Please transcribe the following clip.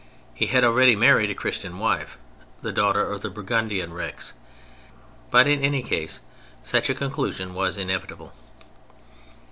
He had already married a Christian wife, the daughter of the Burgundian Rex; but in any case such a conclusion was inevitable.